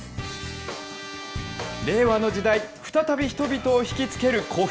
令和の時代、再び人々を引き付ける古墳。